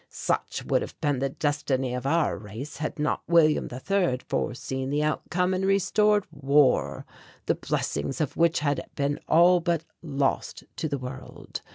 "Such would have been the destiny of our race had not William III foreseen the outcome and restored war, the blessings of which had been all but lost to the world.